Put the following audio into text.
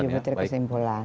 ada tujuh butir kesimpulan